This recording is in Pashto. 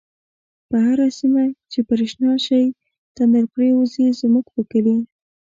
په هره سیمه چی برشنا شی، تندر پریوزی زمونږ په کلی